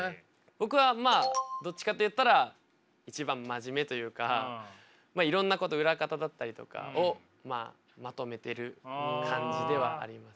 僕はまあどっちかっていったら一番真面目というかいろんなこと裏方だったりとかをまとめてる感じではあります。